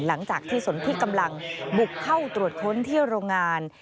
หลังจากที่สนที่กำลังบุกเข้าตรวจค้นที่โรงงาน